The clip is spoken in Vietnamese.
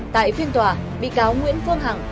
tại phiên tòa bị cáo nguyễn phương hằng